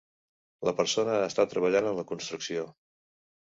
La persona està treballant en la construcció.